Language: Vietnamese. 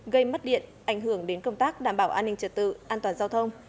gây mất điện ảnh hưởng đến công tác đảm bảo an ninh trật tự an toàn giao thông